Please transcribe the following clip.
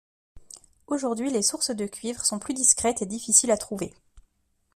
Aujourd'hui les sources de cuivre sont plus discrètes et difficiles à trouver.